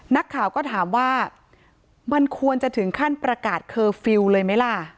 นักข่าวก็ถามว่ามันควรจะถึงขั้นประกาศเคอร์ฟิลล์เลยไหมล่ะ